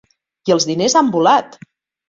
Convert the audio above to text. I els diners han volat!